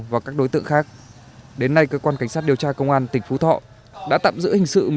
và các đối tượng khác đến nay cơ quan cảnh sát điều tra công an tỉnh phú thọ đã tạm giữ hình sự